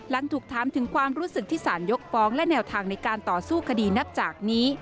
หลังถูกถามถึงความรู้สึกที่สารยกฟ้องและแนวทางในการต่อสู้คดีนับจากนี้